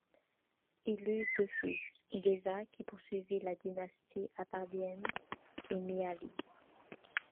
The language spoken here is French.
Il eut deux fils, Géza, qui poursuivit la dynastie arpadienne, et Mihály.